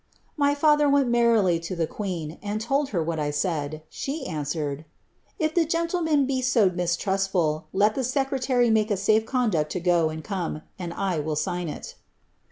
My fiither rent merrily to the queen, and told her what I said ; she answered, ^ If be gentleman be so mistrustful, let the secretary make a safe conduct to |o and come, and I will sign it.""